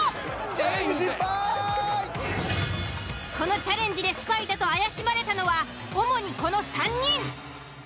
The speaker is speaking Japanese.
このチャレンジでスパイだと怪しまれたのは主にこの３人。